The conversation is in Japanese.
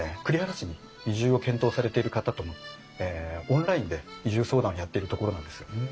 栗原市に移住を検討されている方とオンラインで移住相談やっているところなんですよ。